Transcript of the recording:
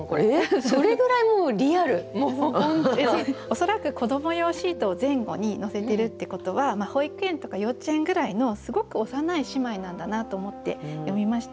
恐らく子ども用シートを前後に乗せてるってことは保育園とか幼稚園ぐらいのすごく幼い姉妹なんだなと思って読みました。